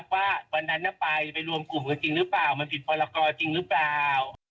วันนั้นนะไปไปรวมกลุ่มกันจริงหรือเปล่า